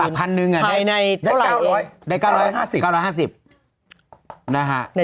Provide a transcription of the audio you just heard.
ฝาก๑๐๐๐ในเท่าไหร่เองได้๙๕๐นะฮะ